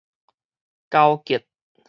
勾結